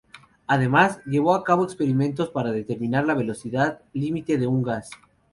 Además, llevó a cabo experimentos para determinar la velocidad límite de un gas.